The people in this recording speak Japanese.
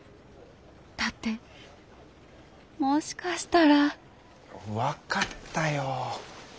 だってもしかしたら分かったよ。